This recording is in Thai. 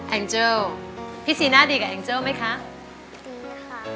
อังเจิลพี่สีหน้าดีกับอังเจิลไหมคะดีนะคะ